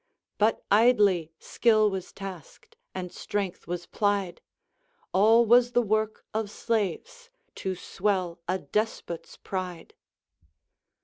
But idly skill was tasked, and strength was plied, All was the work of slaves to swell a despot's pride.